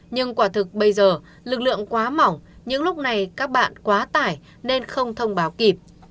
nhưng quả thực bây giờ lực lượng quá mỏng những lúc này các bạn quá tải nên không thông báo kịp